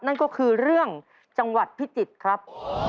นั่นก็คือเรื่องจังหวัดพิจิตรครับ